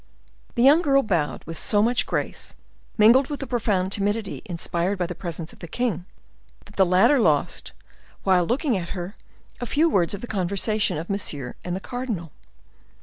The young girl bowed with so much grace, mingled with the profound timidity inspired by the presence of the king, that the latter lost, while looking at her, a few words of the conversation of Monsieur and the cardinal.